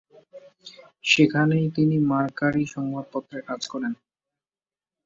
সেখানেই তিনি মার্কারি সংবাদপত্রে কাজ করেন।